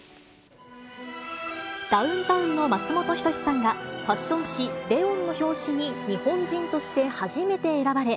ダウンタウンの松本人志さんが、ファッション誌、ＬＥＯＮの表紙に日本人として初めて選ばれ、